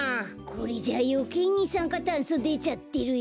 これじゃあよけいにさんかたんそでちゃってるよ。